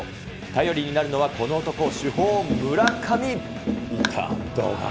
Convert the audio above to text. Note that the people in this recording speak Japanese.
頼りになるのはこの男、主砲、村上。